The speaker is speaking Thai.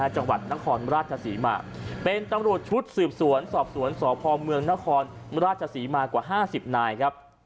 จังหวัดนครราชศรีมาเป็นตำรวจชุดสืบสวนสอบสวนสพเมืองนครราชศรีมากว่า๕๐นายครับ